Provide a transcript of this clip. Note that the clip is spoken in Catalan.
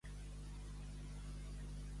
Clavar amb perns.